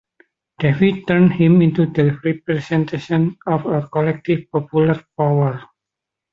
David turned him into the representation of a collective, popular power.